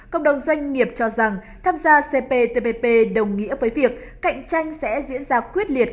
cộng đồng doanh nghiệp cho rằng tham gia cptpp đồng nghĩa với việc cạnh tranh sẽ diễn ra quyết liệt